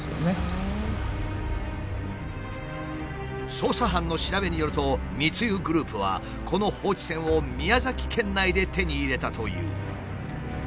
捜査班の調べによると密輸グループはこの放置船を宮崎県内で手に入れたという。